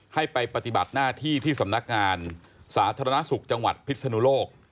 ให้ไปปฏิบัติหน้าที่ที่สำนักงานสาธารณสุขจังหวัดพิศนุโลก